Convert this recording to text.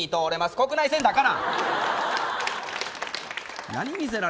国内線だから。